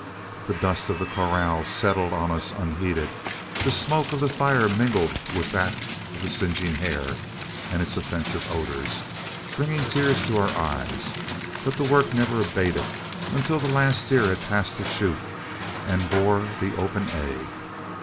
The dust of the corrals settled on us unheeded, the smoke of the fire mingled with that of the singeing hair and its offensive odors, bringing tears to our eyes, but the work never abated until the last steer had passed the chute and bore the "Open A."